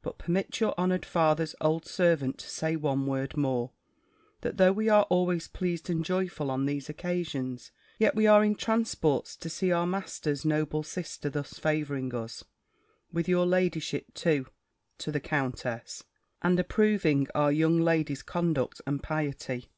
But permit your honoured father's old servant to say one word more, that though we are always pleased and joyful on these occasions; yet we are in transports to see our master's noble sister thus favouring us with your ladyship too," (to the countess) "and approving our young lady's conduct and piety."